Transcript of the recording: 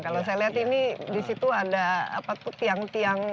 kalau saya lihat ini disitu ada apa tuh tiang tiang